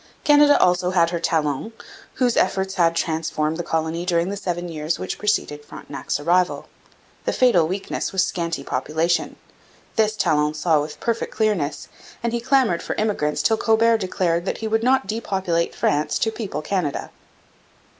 ] Canada also had her Talon, whose efforts had transformed the colony during the seven years which preceded Frontenac's arrival. The fatal weakness was scanty population. This Talon saw with perfect clearness, and he clamoured for immigrants till Colbert declared that he would not depopulate France to people Canada.